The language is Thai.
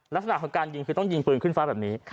ลักษณะของการยิงคือต้องยิงปืนขึ้นฟ้าแบบนี้